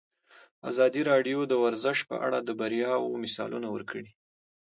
ازادي راډیو د ورزش په اړه د بریاوو مثالونه ورکړي.